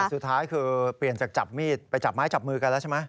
แต่สุดท้ายคือเปลี่ยนจากจับมีดไปจับไม้จับมือกันแล้วใช่ไหม